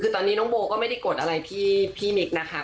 คือตอนนี้น้องโบก็ไม่ได้กดอะไรพี่มิ๊กนะคะ